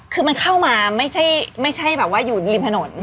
คือมันเข้ามาไม่ใช่อยู่ริมถนน